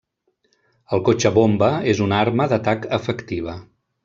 El cotxe bomba és una arma d'atac efectiva.